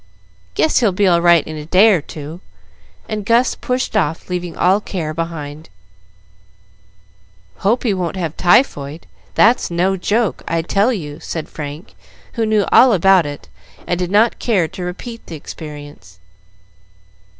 "Guess he'll be all right in a day or two;" and Gus pushed off, leaving all care behind. "Hope he won't have typhoid that's no joke, I tell you," said Frank, who knew all about it, and did not care to repeat the experience.